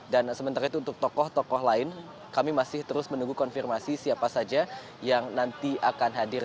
dan sementara itu untuk tokoh tokoh lain kami masih terus menunggu konfirmasi siapa saja yang nanti akan hadir